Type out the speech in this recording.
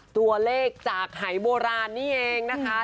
ตัวเลขจากหายโบราณนี่เองนะคะ